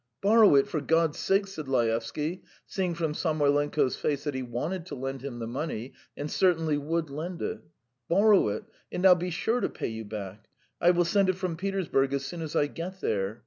"Borrow it, for God's sake!" said Laevsky, seeing from Samoylenko's face that he wanted to lend him the money and certainly would lend it. "Borrow it, and I'll be sure to pay you back. I will send it from Petersburg as soon as I get there.